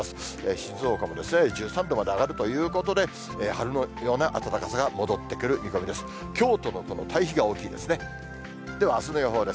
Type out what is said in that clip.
静岡も１３度まで上がるということで、春のような暖かさが戻ってくる見込みです。